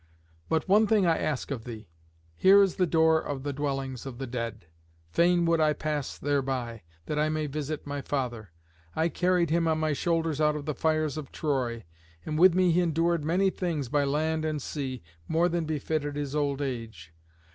But one thing I ask of thee. Here is the door of the dwellings of the dead. Fain would I pass thereby, that I may visit my father. I carried him on my shoulders out of the fires of Troy, and with me he endured many things by land and sea, more than befitted his old age.